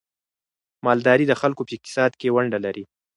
مالداري د خلکو په اقتصاد کې ونډه لري.